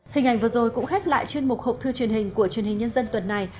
hình ảnh vừa rồi cũng khép lại chuyên mục hộp thư truyền hình của truyền hình nhân dân tuần này